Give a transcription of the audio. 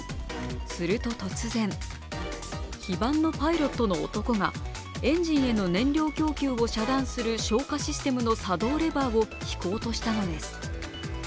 すると突然、非番のパイロットの男がエンジンへの燃料供給を遮断する消火システムの作動レバーを引こうとしたのです。